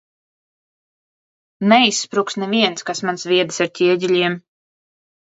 Neizspruks neviens, kas man sviedis ar ķieģeļiem!